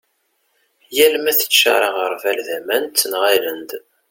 yal ma teččar aγerbal d aman ttenγalen-d